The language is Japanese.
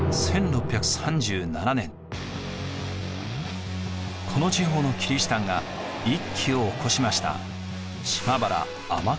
１６３７年この地方のキリシタンが一揆を起こしました。